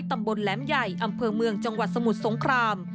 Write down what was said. ตำบลแหลมใหญ่อำเภอเมืองจังหวัดสมุทรสงคราม